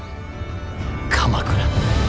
鎌倉。